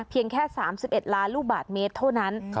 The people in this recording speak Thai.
เพียงแค่๓๑ล้านลูกบาทเมตรเท่านั้น